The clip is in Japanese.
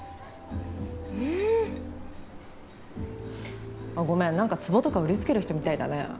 うん？あっごめん何か壺とか売りつける人みたいだね